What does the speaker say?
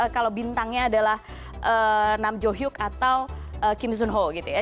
kalau bintangnya adalah nam jo hyuk atau kim zon ho gitu ya